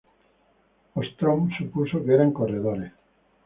Ostrom supuso que eran corredores.